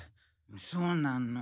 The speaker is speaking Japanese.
そうなの。